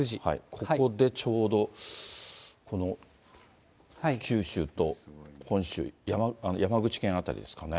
ここでちょうど九州と本州、山口県辺りですかね。